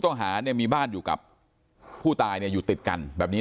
หาเนี่ยมีบ้านอยู่กับผู้ตายเนี่ยอยู่ติดกันแบบนี้